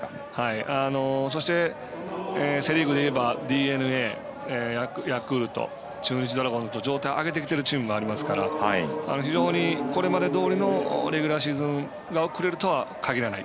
そしてセ・リーグでいえばＤｅＮＡ、ヤクルト中日ドラゴンズと状態を上げてきているチームもありますから非常にこれまでどおりのレギュラーシーズンが送れるとは限らない。